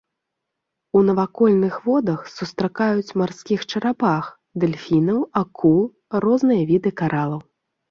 У навакольных водах сустракаюць марскіх чарапах, дэльфінаў, акул, розныя віды каралаў.